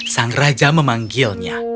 sang raja memanggilnya